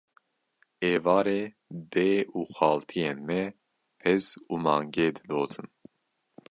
Êvarê dê û xaltiyên me pez û mangê didotin